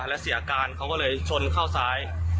แล้วเสียการเขาก็เลยชนเข้าซ้าย